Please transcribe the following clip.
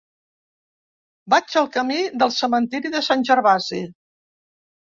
Vaig al camí del Cementiri de Sant Gervasi.